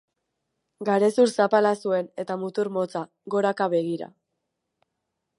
Garezur zapala zuen, eta mutur motza, goraka begira.